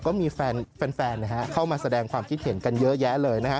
ก็มีแฟนเข้ามาแสดงความคิดเห็นกันเยอะแยะเลยนะฮะ